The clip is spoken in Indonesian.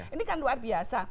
ini kan luar biasa